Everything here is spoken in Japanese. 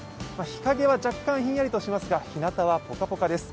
日陰は若干ひんやりとしますが、日なたはポカポカです。